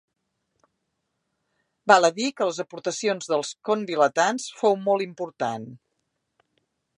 Val a dir que les aportacions dels convilatans fou molt important.